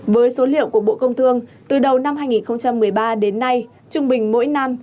với số liệu của bộ công thương từ đầu năm hai nghìn một mươi ba đến nay trung bình mỗi năm